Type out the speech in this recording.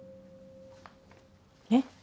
えっ？